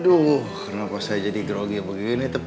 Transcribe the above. aduh kenapa saya jadi grogi begini